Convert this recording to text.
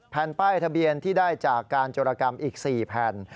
แผ่นป้ายทะเบียนที่ได้จากการจรกรรมอีก๔แผ่น